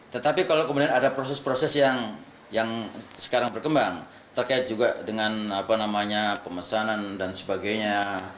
tetapi kalau kemudian ada proses proses yang sekarang berkembang terkait juga dengan pemesanan dan sebagainya